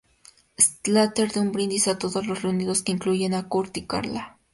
Slater da un brindis a todos los reunidos que incluyen a Kurt y Carla.